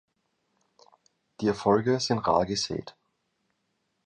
Die Erfolge sind rar gesät.